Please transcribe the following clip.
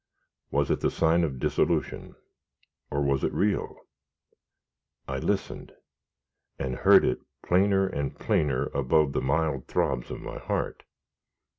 Was it the sign of dissolution, or was it real? I listened, and heard it plainer and plainer above the mild throbs of my heart.